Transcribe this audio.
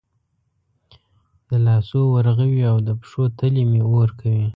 د لاسو ورغوي او د پښو تلې مې اور کوي